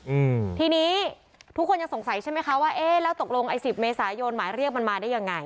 อืมทีนี้ทุกคนยังสงสัยใช่ไหมคะว่าเอ๊ะแล้วตกลงไอ้สิบเมษายนหมายเรียกมันมาได้ยังไง